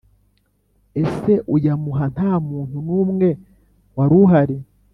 ese uyamuha nta muntu n’umwe wari uhari